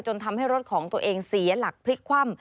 ทำให้รถของตัวเองเสียหลักพลิกคว่ำ